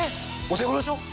お手頃でしょ？